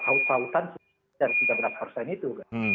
haus hausan dari tiga belas persen itu